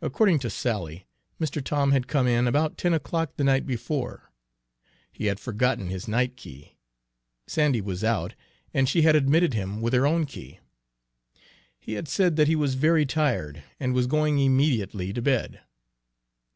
According to Sally, Mr. Tom had come in about ten o'clock the night before. He had forgotten his night key, Sandy was out, and she had admitted him with her own key. He had said that he was very tired and was going, immediately to bed.